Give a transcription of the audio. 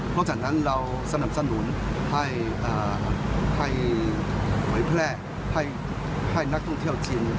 เพราะฉะนั้นเราสนับสนุนให้เผยแพร่ให้นักท่องเที่ยวชิน